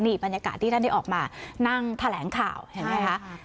บรรยากาศที่ท่านได้ออกมานั่งแถลงข่าวเห็นไหมคะ